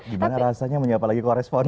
gimana rasanya menyapa lagi korespon